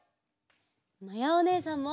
まやおねえさんも。